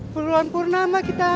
puluhan purna mah kita